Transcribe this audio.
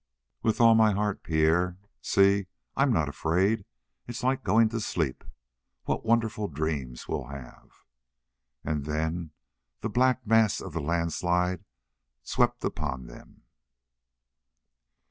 "With all my heart, Pierre. See I'm not afraid. It is like going to sleep. What wonderful dreams we'll have!" And then the black mass of the landslide swept upon them.